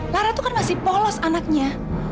lara itu kan masih polos anaknya